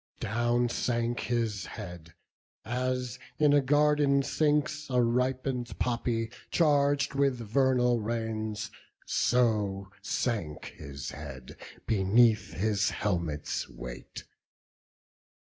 Down sank his head, as in a garden sinks A ripen'd poppy charg'd with vernal rains; So sank his head beneath his helmet's weight.